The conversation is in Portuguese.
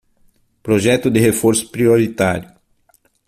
Projeto de reforço prioritário